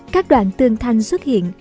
các đoạn tương thanh xuất hiện